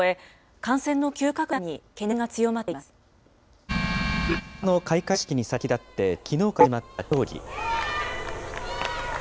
あすの開会式に先立って、きのうから始まった競技。